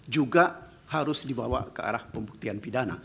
juga harus dibawa ke arah pembuktian pidana